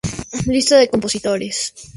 Lista de compositores